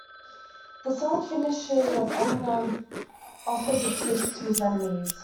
The song finishes as Eminem offers a truce to his enemies.